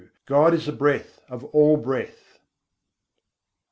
God is the breath of all breath."